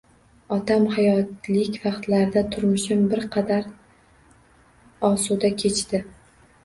Otam hayotlik vaqtlarida turmushim bir qadar osuda kechdi